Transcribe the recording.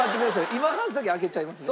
今半先開けちゃいますね。